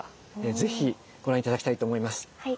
是非ご覧頂きたいと思います。